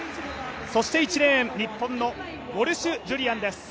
そして１レーン、日本のウォルシュ・ジュリアンです。